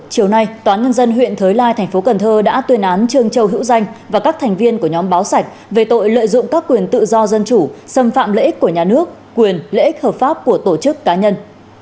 hôm nay tòa nhân dân huyện thới lai tp cn đã tuyên án trương châu hữu danh và các thành viên của nhóm báo sạch về tội lợi dụng các quyền tự do dân chủ xâm phạm lợi ích của nhà nước quyền lợi ích hợp pháp của tổ chức cá nhân